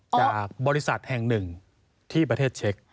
จากบริษัทแห่งหนึ่งที่ประเทศเช็ค